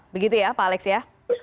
begitu ya pak alex ya